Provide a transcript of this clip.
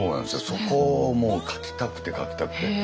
そこをもう描きたくて描きたくて。